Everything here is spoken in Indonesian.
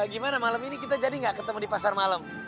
gimana malem ini kita jadi gak ketemu di pasar malem